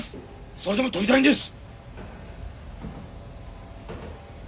それでも飛びたいんです！